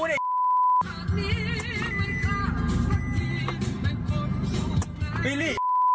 โหเลยรถมันอ่ะ